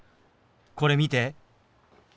これ見て。